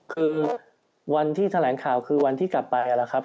คือวันที่แถลงข่าวคือวันที่กลับไปนะครับ